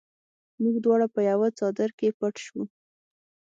موږ دواړه په یوه څادر کې پټ شوو